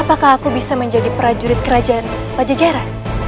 apakah aku bisa menjadi prajurit kerajaan pajajaran